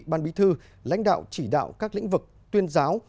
ban bí thư lãnh đạo chỉ đạo các lĩnh vực tuyên giáo